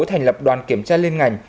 thành lập đoàn kiểm tra lên ngành